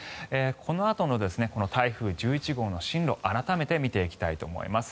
このあとの台風１１号の進路を改めて見ていきたいと思います。